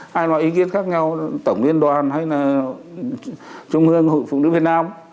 hai loại ý kiến khác nhau tổng liên đoàn hay là trung ương phụ nữ việt nam